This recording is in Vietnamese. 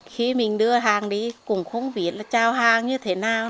khi mình đưa hàng đi cũng không biết là trao hàng như thế nào